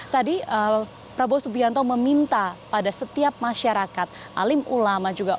tadi prabowo subianto meminta pada setiap masyarakat alim ulama juga